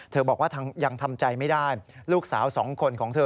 บอกว่ายังทำใจไม่ได้ลูกสาวสองคนของเธอ